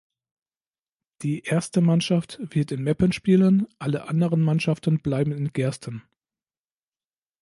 Die erste Mannschaft wird in Meppen spielen, alle anderen Mannschaften bleiben in Gersten.